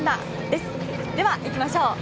ではいきましょう。